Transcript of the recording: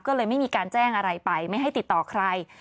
ก็เลยไม่มีการแจ้งอะไรไปไม่ให้ติดต่อใคร